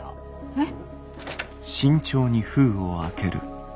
えっ。